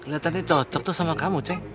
kelihatan ini cocok sama kamu sayur